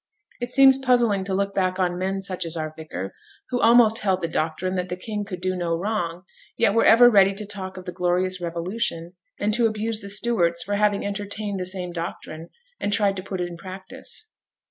It seems puzzling to look back on men such as our vicar, who almost held the doctrine that the King could do no wrong, yet were ever ready to talk of the glorious Revolution, and to abuse the Stuarts for having entertained the same doctrine, and tried to put it in practice.